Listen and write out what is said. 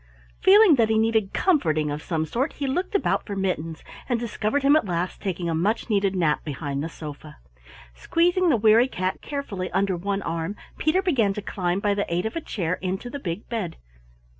Feeling that he needed comforting of some sort, he looked about for Mittens and discovered him at last, taking a much needed nap behind the sofa. Squeezing the weary cat carefully under one arm, Peter began to climb by the aid of a chair into the big bed.